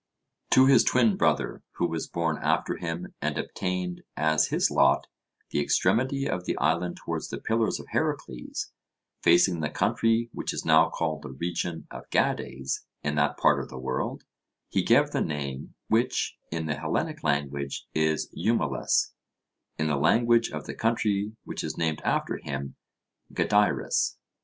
To his twin brother, who was born after him, and obtained as his lot the extremity of the island towards the pillars of Heracles, facing the country which is now called the region of Gades in that part of the world, he gave the name which in the Hellenic language is Eumelus, in the language of the country which is named after him, Gadeirus.